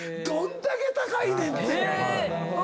どんだけ高いねん⁉って。